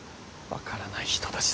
分からない人たちだな。